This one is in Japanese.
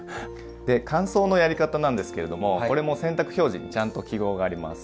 で乾燥のやり方なんですけれどもこれも洗濯表示にちゃんと記号があります。